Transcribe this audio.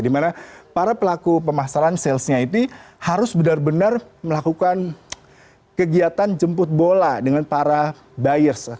dimana para pelaku pemasaran salesnya itu harus benar benar melakukan kegiatan jemput bola dengan para buyers